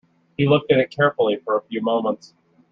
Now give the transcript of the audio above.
He looked at it carefully for a few moments.